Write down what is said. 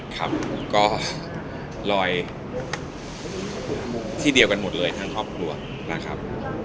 ครับก็ลอยที่เดียวกันหมดเลยทั้งครอบครัวนะครับ